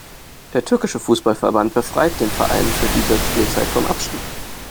Der türkische Fußballverband befreite den Verein für diese Spielzeit vom Abstieg.